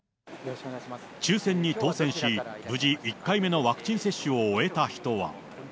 抽せんに当せんし、無事、１回目のワクチン接種を終えた人は。